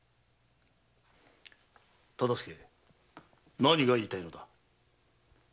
忠相何が言いたいのだ？